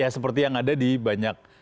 seperti yang ada di banyak